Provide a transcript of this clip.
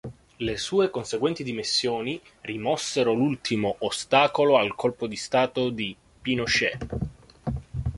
Le sue conseguenti dimissioni rimossero l'ultimo ostacolo al colpo di Stato di Pinochet.